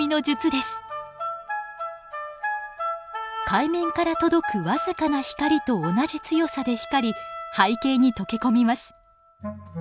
海面から届く僅かな光と同じ強さで光り背景に溶け込みます。